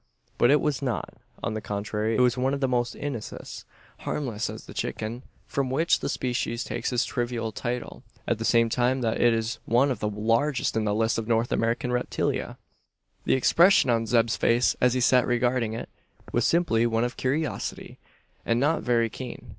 But it was not. On the contrary, it was one of the most innocuous harmless as the "chicken," from which the species takes its trivial title at the same time that it is one of the largest in the list of North American reptilia. The expression on Zeb's face, as he sat regarding it, was simply one of curiosity, and not very keen.